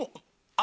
あ！